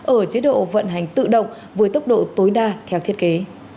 ở chế độ vận hành tự động với tốc độ tối đa theo thiết kế